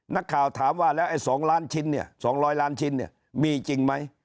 นักข่าวถามว่าแล้วไอ้๒ล้านชิ้นเนี่ย๒๐๐ล้านชิ้นเนี่ยมีจริงไหม